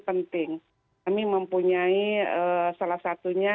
penting kami mempunyai salah satunya